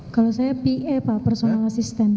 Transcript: kalau saya pa personal assistant